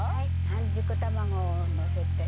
半熟卵をのせて。